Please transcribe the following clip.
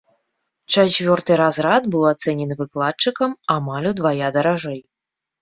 Чацвёрты разрад быў ацэнены выкладчыкам амаль удвая даражэй.